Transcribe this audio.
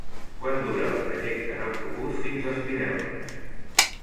Quant dura el trajecte en autobús fins a Espinelves?